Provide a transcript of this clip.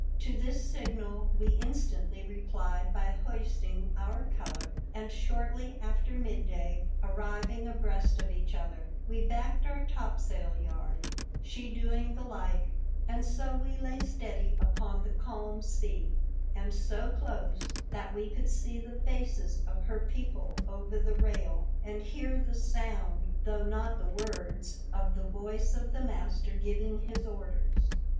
To this signal we instantly replied by hoisting our colour, and shortly after midday, arriving abreast of each other, we backed our topsail yard, she doing the like, and so we lay steady upon the calm sea, and so close, that we could see the faces of her people over the rail, and hear the sound, though not the WE SPEAK THE LOVELY NANCY. 7 words, of the voice of the master giving his orders.